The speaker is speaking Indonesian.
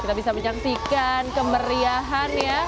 kita bisa menyaksikan kemeriahannya